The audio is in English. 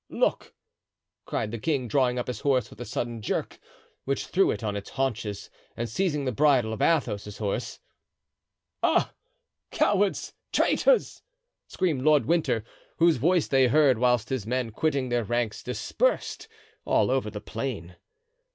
look!" cried the king, drawing up his horse with a sudden jerk, which threw it on its haunches, and seizing the bridle of Athos's horse. "Ah, cowards! traitors!" screamed Lord Winter, whose voice they heard, whilst his men, quitting their ranks, dispersed all over the plain.